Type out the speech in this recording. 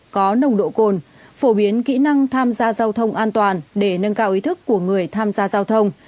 có nồng độ cồn phổ biến kỹ năng tham gia giao thông an toàn để nâng cao ý thức của người tham gia giao thông